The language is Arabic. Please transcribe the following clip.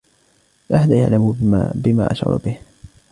لا أحد يعلم بما أشعر به.